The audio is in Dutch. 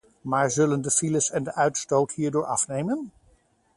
Maar zullen de files en de uitstoot hierdoor afnemen?